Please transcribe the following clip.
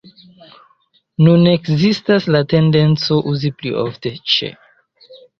Nun ekzistas la tendenco uzi pli ofte "ĉe".